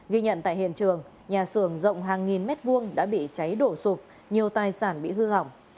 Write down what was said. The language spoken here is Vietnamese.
ghi nhận tại hiện trường nhà xưởng rộng hàng nghìn mét vuông đã bị cháy đổ sụp nhiều tài sản bị hư hỏng